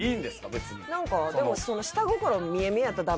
別に何かでも何が？